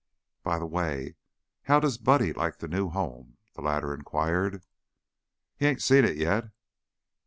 "By the way, how does Buddy like the new home?" the latter inquired. "He 'ain't seen it yet.